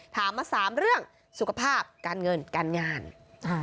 ถามมาสามเรื่องสุขภาพการเงินการงานอ่า